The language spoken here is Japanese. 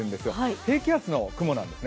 低気圧の雲なんですね。